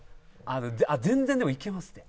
全然でもいけますって。